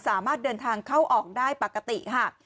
สามารถเดินทางเข้าออกได้ปกติค่ะ